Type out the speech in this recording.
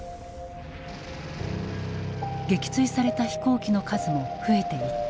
撃墜された飛行機の数も増えていった。